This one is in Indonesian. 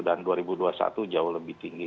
dan dua ribu dua puluh satu jauh lebih tinggi